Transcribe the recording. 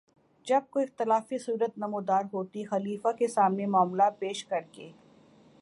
جب کوئی اختلافی صورت نمودار ہوتی، خلیفہ کے سامنے معاملہ پیش کرتے